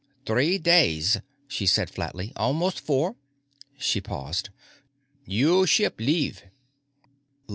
"Three days," she said flatly. "Almost four." She paused. "You ship leave."